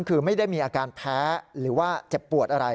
คือไม่ได้มีอาการแพ้หรือว่าเจ็บปวดอะไร